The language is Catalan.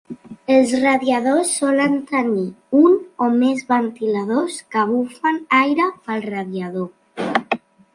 Els radiadors solen tenir un o més ventiladors que bufen aire pel radiador.